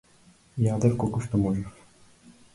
Јадев колку што можев.